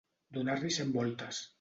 Donar-li cent voltes.